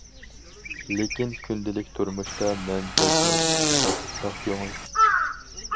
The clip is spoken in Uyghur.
لېكىن، كۈندىلىك تۇرمۇشتا، مەن بەكمۇ چىقىشقاق، ئاق كۆڭۈل.